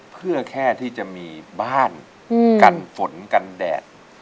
เพื่อแค่ที่จะมีบ้านกันฝนกันแดด